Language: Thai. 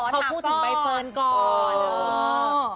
เขาพูดถึงใบเฟิร์นก่อน